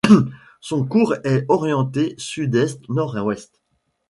Son cours est orienté sud-est – nord-ouest.